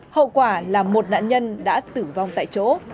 hậu quả là một nạn nhân đã tử vong tại chỗ